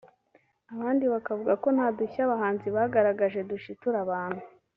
abandi bakavuga ko nta dushya abahanzi bagaragaje dushitura abantu